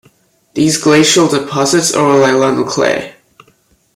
These glacial deposits overlie London clay.